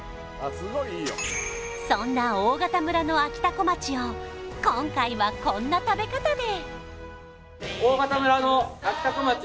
そんな大潟村のあきたこまちを今回はこんな食べ方で！